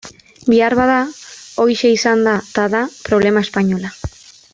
Beharbada horixe izan da eta da problema espainola.